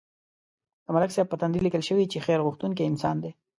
د ملک صاحب په تندي لیکل شوي چې خیر غوښتونکی انسان دی.